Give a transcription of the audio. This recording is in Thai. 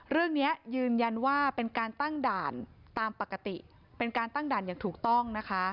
เรื่องนี้ยืนยันว่าเป็นการตั้งด่านตามปกติเป็นการตั้งด่านอย่างถูกต้องนะคะ